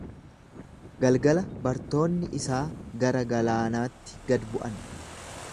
Galgala bartoonni isaa gara galaanaatti gad bu’an.